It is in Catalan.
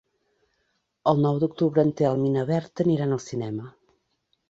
El nou d'octubre en Telm i na Berta aniran al cinema.